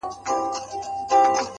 بیرته چي یې راوړې، هغه بل وي زما نه